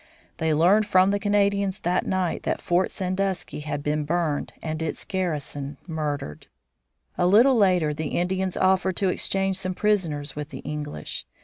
They learned from the Canadians that night that Fort Sandusky had been burned and its garrison murdered. A little later the Indians offered to exchange some prisoners with the English.